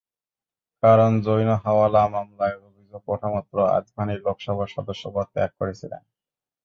কারণ, জৈন হাওয়ালা মামলায় অভিযোগ ওঠামাত্র আদভানি লোকসভার সদস্যপদ ত্যাগ করেছিলেন।